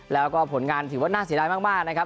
แล้วก็ผลงานถือว่าน่าเสียดายมากนะครับ